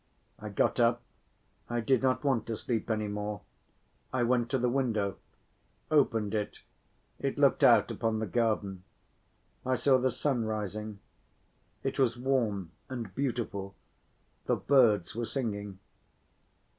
I got up—I did not want to sleep any more—I went to the window—opened it, it looked out upon the garden; I saw the sun rising; it was warm and beautiful, the birds were singing.